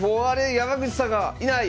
山口さんがいない！